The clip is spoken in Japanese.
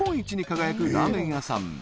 輝くラーメン屋さん